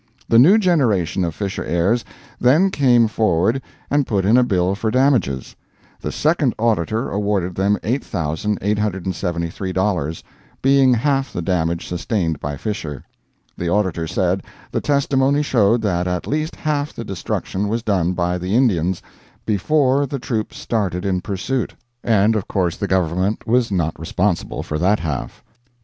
The new generation of Fisher heirs then came forward and put in a bill for damages. The Second Auditor awarded them $8,873, being half the damage sustained by Fisher. The Auditor said the testimony showed that at least half the destruction was done by the Indians "before the troops started in pursuit," and of course the government was not responsible for that half.